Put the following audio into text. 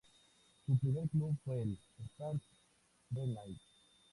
Su primer club fue el Stade Rennais.